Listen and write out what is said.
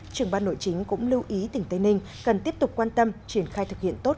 trưởng ban nội chính cũng lưu ý tỉnh tây ninh cần tiếp tục quan tâm triển khai thực hiện tốt